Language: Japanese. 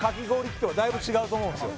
器とはだいぶ違うと思うんですよ